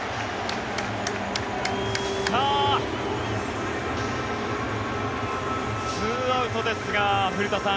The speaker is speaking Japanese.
さあ、２アウトですが古田さん